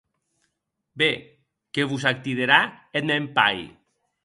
Be que vos ac diderà eth mèn pair.